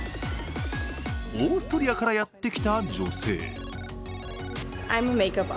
オーストリアからやってきた女性。